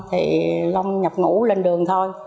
thì long nhập ngũ lên đường thôi